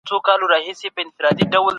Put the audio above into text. ژبه کوچنۍ ده خو جرم یې لوی دی.